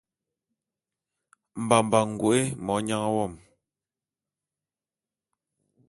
Mbamba’a ngoke monyang wo;